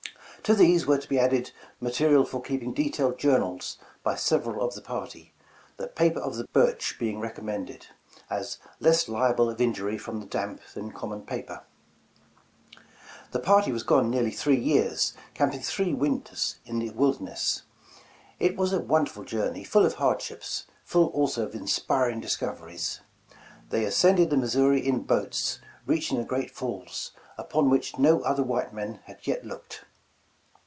To these were to be added ma terial for keeping detailed journals by several of the party, the ''paper of the birch" being recommended, as ''less liable of injury from the damp than common paper. '' The party was gone nearly three years, camping three winters in the wilderness. It was a wonderful 147 The Original John Jacob Astor journey, full of hardships; full also of inspiring dis coveries. They ascended the Missouri in boats, reaching the great falls, upon which no other white man had yet looked.